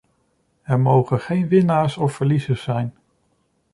Er mogen geen winnaars of verliezers zijn.